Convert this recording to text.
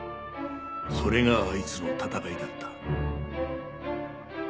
それがあいつの戦いだった。